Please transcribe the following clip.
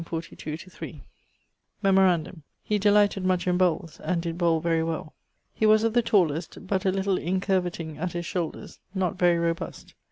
Memorandum: he delighted much in bowles, and did bowle very well. He was of the tallest, but a little incurvetting at his shoulders, not very robust.